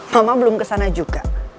mama belum kesana juga